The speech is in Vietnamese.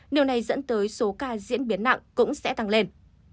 điều này dẫn tới số ca diễn biến nặng cũng sẽ tăng lên